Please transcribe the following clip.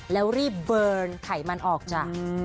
แล้วรีบเบิร์นไขมันออกจาก